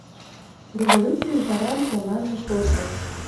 Революций ӱжаран элнаже шочо.